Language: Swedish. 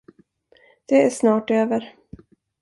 Det är snart över.